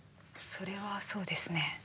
それはそうですね。